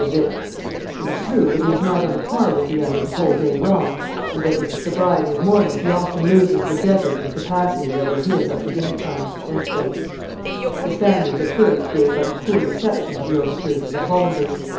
de Witt; it is true that he is not on a par with the other the whole day long, and that with the sobriety of morning he often loses the desert and capacity that were his up to dinner time." The Spaniards at first gave but a cool reception to the overtures of the Hollanders.